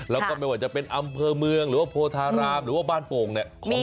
แล้วก็ไม่ว่าจะเป็นอำเภอเมืองหรือว่าโพธารามหรือว่าบ้านโป่งเนี่ย